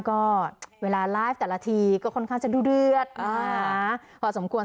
ก็เวลาไลฟ์แต่ละทีก็ค่อนข้างจะดูเดือดพอสมควร